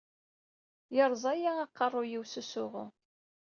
Yerẓa-yi aqerru-yiw s usuɣu.